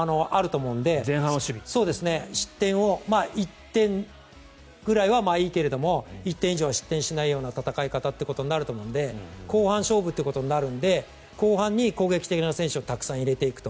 そうですね、失点は１点ぐらいはいいけれども１点以上は失点しないような戦い方になると思うので後半勝負ということになるので後半に攻撃的な選手をたくさん入れていくと。